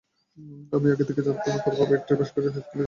আমি আগে থেকে জানতাম, তার বাবা একটা বেসরকারি হাইস্কুলে শিক্ষকতা করতেন।